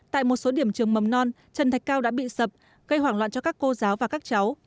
tại một số điểm trường mầm non trần thạch cao đã bị sập gây hoảng loạn cho các cô giáo và các cháu